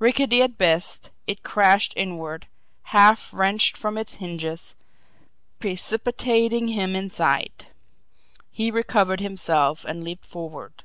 Rickety at best, it crashed inward, half wrenched from its hinges, precipitating him inside. He recovered himself and leaped forward.